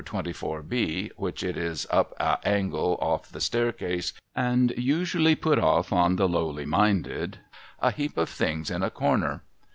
24 B (which it is up a angle off the staircase, and usually put off upon the lowly minded), a heap of things in a corner.